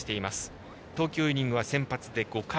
投球イニングは先発で５回。